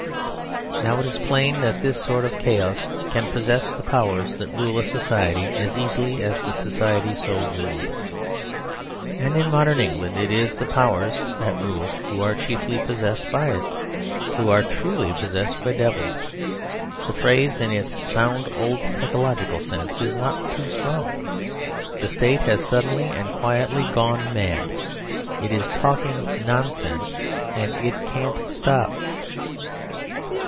Now it is plain that this sort of chaos can possess the powers that rule a society as easily as the society so ruled. And in modern England it is the powers that rule who are chiefly possessed by it who are truly possessed by devils. The phrase, in its sound old psychological sense, is not too strong. The State has suddenly and quietly gone mad. It is talking nonsense; and it can't stop.